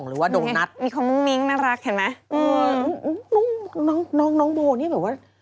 อืมน้องโบะนี่แบบว่า